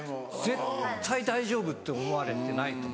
絶対「大丈夫」って思われてないと思う。